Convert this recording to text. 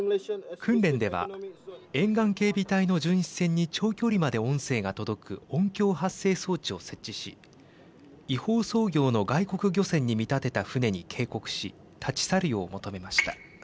訓練では沿岸警備隊の巡視船に長距離まで音声が届く音響発生装置を設置し違法操業の外国漁船に見立てた船に警告し立ち去るよう求めました。